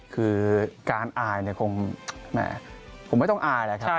คือการอายผมไม่ต้องอายแหละครับ